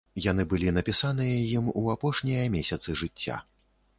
Яны былі напісаныя ім у апошнія месяцы жыцця.